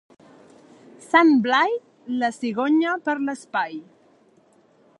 Sant Blai, la cigonya per l'espai.